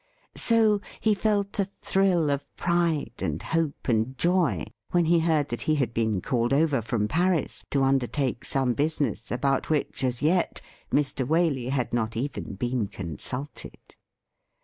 So he felt a thrill of pride and hope and joy when he heard that he had been called over from Paris to undertake some business about which as yet Mr. Waley had not even been consulted.